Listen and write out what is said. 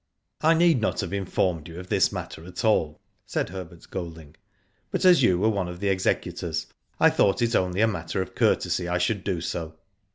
I need not have informed you of this matter at all," said Herbert Golding, "but as you were one of the executors I thought it only a matter of courtesy I should do so.